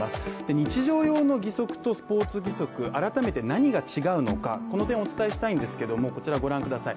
日常用の義足とスポーツ義足改めて何が違うのかこの点をお伝えしたいんですけどもこちらご覧ください